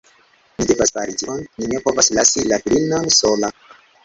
Ni devas fari tion. Ni ne povas lasi la filinon sola.